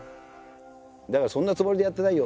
「だからそんなつもりでやってないよ。